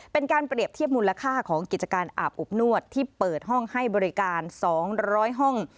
เป็นการเปรียบเทียบมูลค่าของกิจการอาบอบนวดที่เปิดห้องให้บริการ๒๐๐ห้อง